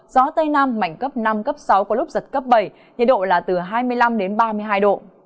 gió tây nam mạnh cấp năm cấp sáu có lúc giật cấp bảy nhiệt độ là từ hai mươi năm đến ba mươi hai độ